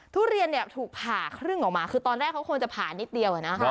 ทุเรียนเนี่ยถูกผ่าครึ่งออกมาคือตอนแรกเขาคงจะผ่านิดเดียว